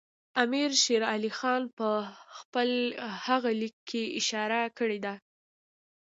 امیر شېر علي خان په خپل هغه لیک کې اشاره کړې ده.